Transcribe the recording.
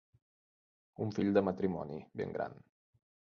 Un fill de matrimoni, ben gran.